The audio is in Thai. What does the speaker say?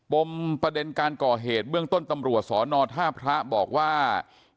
ประเด็นการก่อเหตุเบื้องต้นตำรวจสอนอท่าพระบอกว่า